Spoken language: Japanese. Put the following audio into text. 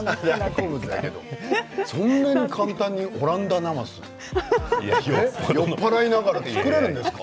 そんなに簡単に、オランダなます酔っ払いながら作れるんですか？